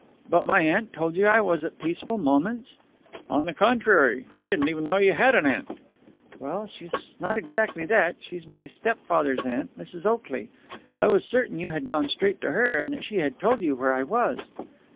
"But my aunt told you I was at Peaceful Moments!" "On the contrary, I didn't even know you had an aunt." "Well, she's not exactly that. She's my stepfather's aunt Mrs. Oakley. I was certain you had gone straight to her, and that she had told you where I was."